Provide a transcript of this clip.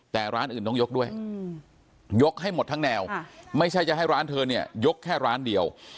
แต่ร้านอื่นต้องยกด้วยยกให้หมดทั้งแนวไม่ใช่จะให้ร้านเธอเนี่ยยกแค่ร้านเดียว